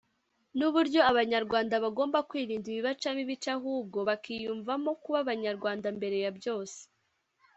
n’uburyo Abanyarwanda bagomba kwirinda ibibacamo ibice ahubwo bakiyumvamo kuba Abanyarwanda mbere ya byose